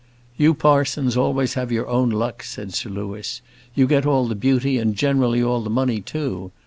"You parsons always have your own luck," said Sir Louis. "You get all the beauty, and generally all the money, too.